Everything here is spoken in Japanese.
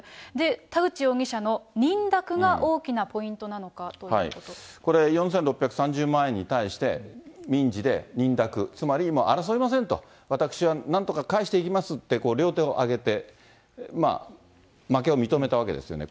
田口容疑者の認諾が大きなポインこれ、４６３０万円に対して、民事で認諾、つまり争いませんと、私はなんとか返していきますって、両手を上げて、負けを認めたわけですよね。